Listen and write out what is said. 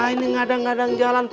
ini ngadang ngadang jalan